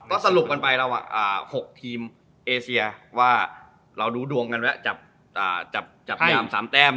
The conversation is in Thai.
ก็สรุปกันไปเราหกทีมเอเชียว่าเราดูดวงสามแต้ม